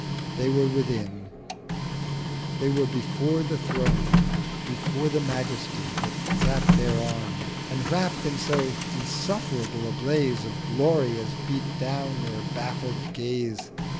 They were within—they were before the Throne, 1370 Before the Majesty that sat thereon, But wrapt in so insufferable a Blaze Of Glory as beat down their baffled Gaze.